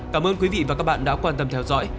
cảm ơn quý vị và các bạn đã quan tâm theo dõi